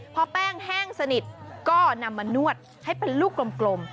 พอแป้งแห้งสนิทก็นำมานวดให้เป็นลูกกลม